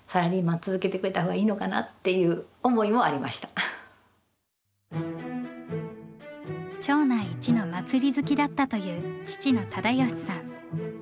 今じゃなくって町内一の祭り好きだったという父の忠喜さん。